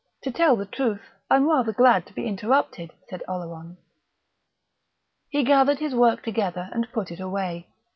To tell the truth, I'm rather glad to be interrupted," said Oleron. He gathered his work together and put it away.